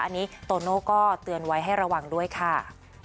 อันนี้โตโน่ก็เตือนไว้ให้ระวังด้วยค่ะ